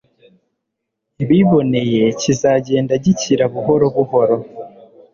biboneye kizagenda gikira buhuro buhoro